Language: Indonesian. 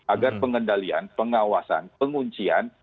agar pengendalian pengawasan penguncian